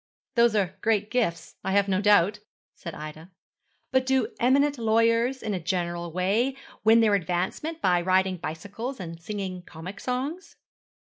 'Those are great gifts, I have no doubt,' said Ida. 'But do eminent lawyers, in a general way, win their advancement by riding bicycles and singing comic songs?'